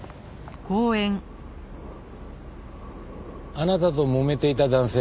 あなたともめていた男性